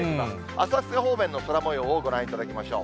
浅草方面の空もようをご覧いただきましょう。